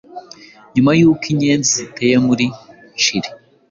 Nyuma y’uko Inyenzi ziteye muri Nshiri